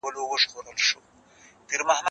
هغه څوک چي فکر کوي هوښيار وي،